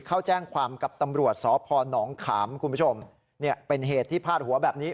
เขาแจ้งความกับตำรวจสพนขามคุณผู้ชมเนี่ยเป็นเหตุที่พาดหัวแบบนี้